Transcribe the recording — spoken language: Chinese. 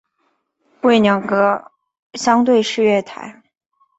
为两个相对式月台。